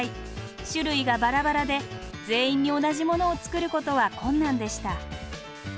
種類がバラバラで全員に同じものを作ることは困難でした。